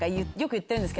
言ってるね。